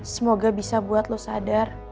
semoga bisa buat lo sadar